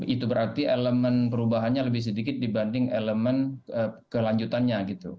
itu berarti elemen perubahannya lebih sedikit dibanding elemen kelanjutannya gitu